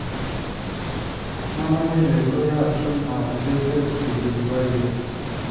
n'amaherezo yacu ntateze kwigizwayo